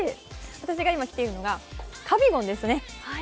私が着ているのがカビゴンですね。